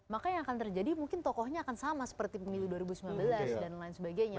maka yang akan terjadi mungkin tokohnya akan sama seperti pemilu dua ribu sembilan belas dan lain sebagainya